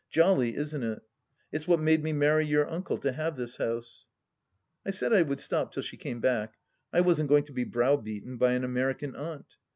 Jolly, isn't it ? It's what made me marry your uncle, to have this house !" I said I would stop till she came back. I wasn't going to be browbeaten by an American aimt.